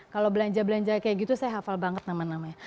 kalau belanja belanja kayak gitu saya hafal banget nama namanya